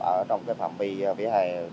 ở trong cái phạm vi vỉa hè